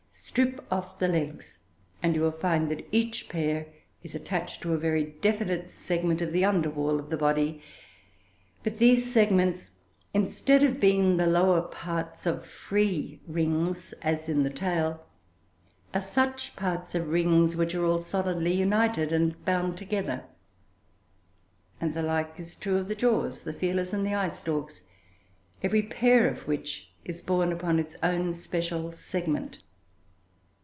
Strip off the legs, and you will find that each pair is attached to a very definite segment of the under wall of the body; but these segments, instead of being the lower parts of free rings, as in the tail, are such parts of rings which are all solidly united and bound together; and the like is true of the jaws, the feelers, and the eye stalks, every pair of which is borne upon its own special segment.